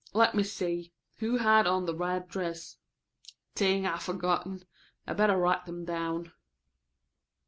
Let me see, who had on the red dress? Ding, I've forgotten. I'd better write them down."